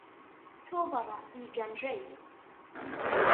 تۆ بەڕاستی گەمژەی.